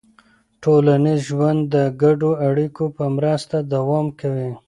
ټولنیز ژوند د ګډو اړیکو په مرسته دوام کوي.